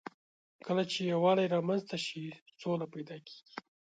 کله چې یووالی رامنځ ته شي، سوله پيدا کېږي.